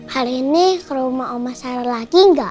hari ini ke rumah oma saya lagi gak